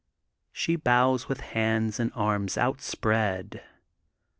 She bows with hands and arms outspread.